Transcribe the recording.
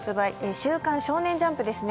「週刊少年ジャンプ」ですね。